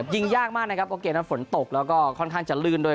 ยิงยากมากนะครับก็เกมนั้นฝนตกแล้วก็ค่อนข้างจะลื่นด้วย